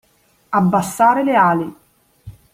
Abbassare le ali.